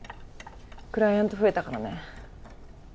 クライアント増えたからね